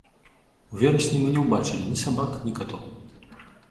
У верасні мы не ўбачылі ні сабак, ні катоў.